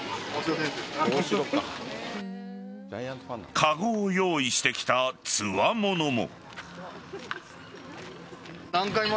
かごを用意してきたつわものも。